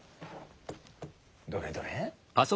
どれどれ。